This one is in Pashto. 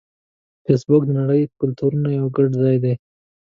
فېسبوک د نړۍ د کلتورونو یو ګډ ځای دی